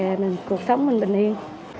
để mình cuộc sống bình yên